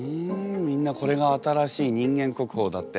みんなこれが新しい人間国宝だって。